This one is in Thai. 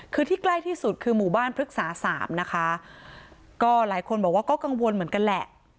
คือที่ใกล้ที่สุดคือหมู่บ้านพฤกษาสามนะคะก็หลายคนบอกว่าก็กังวลเหมือนกันแหละ